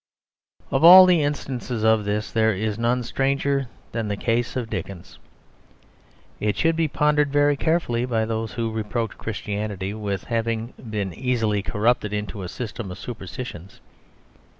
Of all the instances of this there is none stranger than the case of Dickens. It should be pondered very carefully by those who reproach Christianity with having been easily corrupted into a system of superstitions.